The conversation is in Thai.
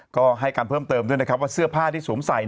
ก็ให้การเพิ่มเติมด้วยนะครับว่าเสื้อผ้าที่สวมใส่